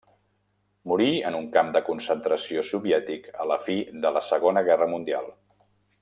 Morí en un camp de concentració soviètic a la fi de la Segona Guerra Mundial.